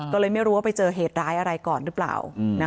ก็เลยไม่รู้ว่าไปเจอเหตุร้ายอะไรก่อนหรือเปล่า